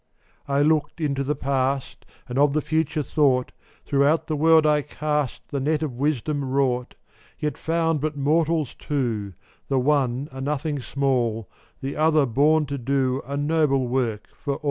412 I looked into the past And of the future thought Throughout the world I cast The net of Wisdom wrought, Yet found but mortals two — The one a nothing small, The other born to do A noble work for all.